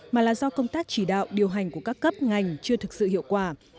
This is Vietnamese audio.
mà là do công tác chỉ đạo điều hành của các cấp ngành chưa thực sự hiệu quả